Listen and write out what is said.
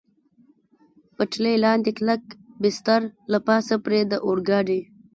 پټلۍ لاندې کلک بستر، له پاسه پرې د اورګاډي.